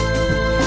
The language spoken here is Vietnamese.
và mùa mắt